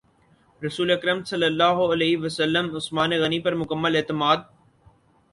رسول اکرم صلی اللہ علیہ وسلم عثمان غنی پر مکمل اعتماد